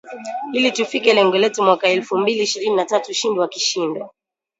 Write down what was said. ili tufikie lengo letu mwaka elfu mbili ishrini na tatu ushindi wa kishindo